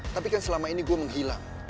tapi kan selama ini gue menghilang